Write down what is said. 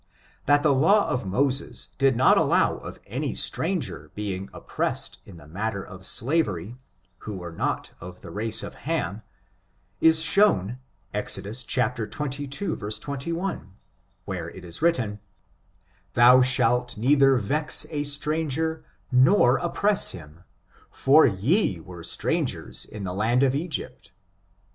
That the law of Moses did not allow of any stranger being oppressed in the matter of slavery, who were not of the race of Ham, is shown. Exodus xxii, 21, where it is written, "thou shalt neither vex a stranger nor oppress him : for ye were strangers in the land of Egypt."